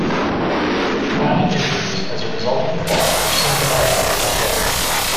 Chronic injuries as a result of the falls are symptomatic of the disorder.